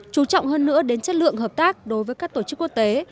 chú trọng hơn nữa đến chất lượng hợp tác đối với các tổ chức quốc tế